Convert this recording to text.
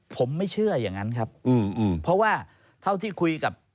ผมไม่เชื่ออย่างนั้นครับเพราะว่าเท่าที่คุยกับ